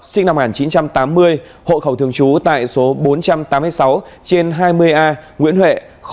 sinh năm một nghìn chín trăm tám mươi hộ khẩu thường trú tại số bốn trăm tám mươi sáu trên hai mươi a nguyễn huệ